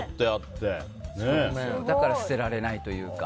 だから捨てられないというか。